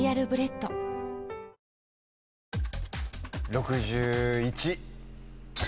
６１。